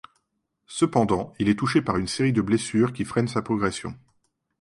Cependant, il est touché par une série de blessures qui freine sa progression.